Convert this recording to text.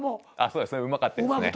そうですねうまかったですね。